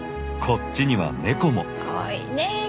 こっちにはネコも！